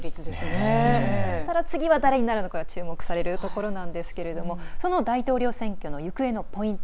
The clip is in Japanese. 次は誰になるのか注目されるところなんですがその大統領選挙の行方のポイント